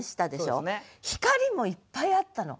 「光」もいっぱいあったの。